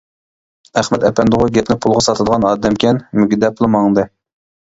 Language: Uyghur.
— ئەخمەت ئەپەندىغۇ گەپنى پۇلغا ساتىدىغان ئادەمكەن، مۈگدەپلا ماڭدى.